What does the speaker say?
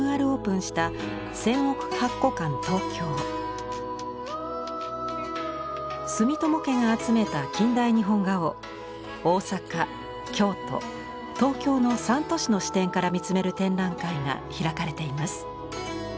オープンした住友家が集めた近代日本画を大阪・京都・東京の３都市の視点から見つめる展覧会が開かれています。